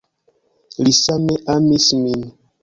Li same amis min.